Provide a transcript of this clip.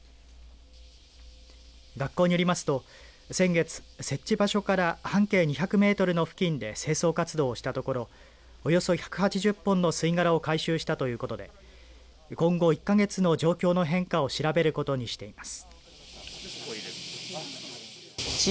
学校によりますと先月設置場所から半径２００メートルの付近で清掃活動をしたところおよそ１８０本の吸い殻を回収したということで今後１か月の状況の変化を調べることにしています。